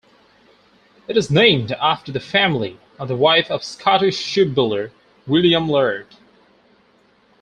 It is named after the family of the wife of Scottish shipbuilder William Laird.